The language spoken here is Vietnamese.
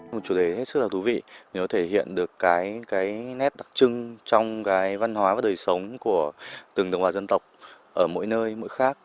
một chủ đề rất là thú vị nó thể hiện được cái nét đặc trưng trong cái văn hóa và đời sống của từng tổng hòa dân tộc ở mỗi nơi mỗi khác